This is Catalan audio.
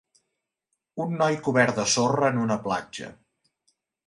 Un noi cobert de sorra en una platja.